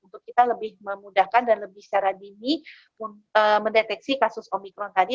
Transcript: untuk kita lebih memudahkan dan lebih secara dini mendeteksi kasus omikron tadi